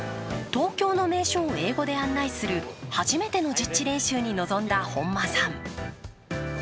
東京の名所を英語で案内する初めての実地練習に臨んだ本間さん。